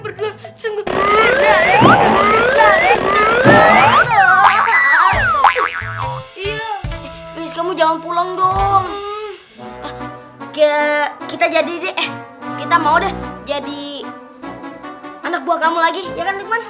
terus kamu jangan pulang dong kita jadi deh kita mau deh jadi anak buah kamu lagi ya kan